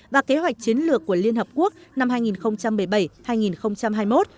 và kế hoạch chiến lược của liên hợp quốc năm hai nghìn một mươi bảy hai nghìn hai mươi một